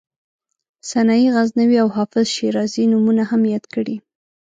سنایي غزنوي او حافظ شیرازي نومونه هم یاد کړي.